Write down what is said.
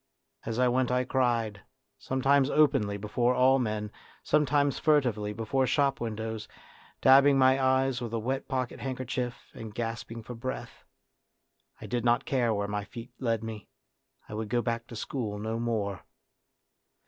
As I went I cried, sometimes openly before all men, sometimes furtively before shop windows, dabbing my eyes with a wet pocket handkerchief, and gasping for breath. I did not care where my feet led me, I would go back to school no more.